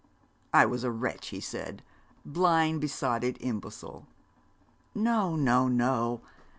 'I was a wretch,' he said, 'blind, besotted, imbecile.' 'No, no, no.